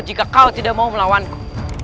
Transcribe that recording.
jika kau tidak mau melawanku